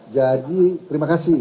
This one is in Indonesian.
jadi terima kasih